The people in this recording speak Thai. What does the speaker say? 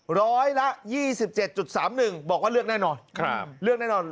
หลอยละ๒๗๓๑บอกว่าเลือกแน่นอน